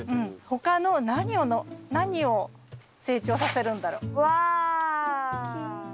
他の何を何を成長させるんだろう？